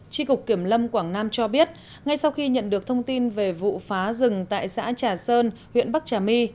tri cục kiểm lâm quảng nam cho biết ngay sau khi nhận được thông tin về vụ phá rừng tại xã trà sơn huyện bắc trà my